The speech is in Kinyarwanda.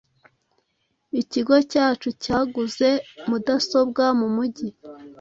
Ikigo cyacu cyaguze mudasobwa mu mugi.